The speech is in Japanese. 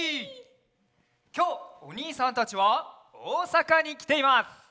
きょうおにいさんたちはおおさかにきています。